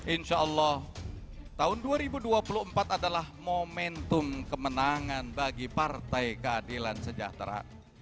insya allah tahun dua ribu dua puluh empat adalah momentum kemenangan bagi partai keadilan sejahtera